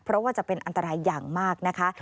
เพราะว่าจะเป็นอันตรายอย่างมากนะคะ